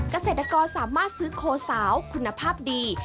เกษตรกรสามารถซื้อโคสาวคุณภาพดี